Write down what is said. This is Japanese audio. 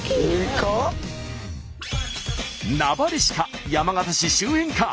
名張市か山形市周辺か。